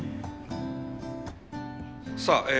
さあえ